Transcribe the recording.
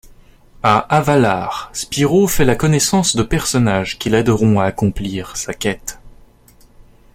À Avalar, Spyro fait la connaissance de personnages qui l'aideront à accomplir sa quête.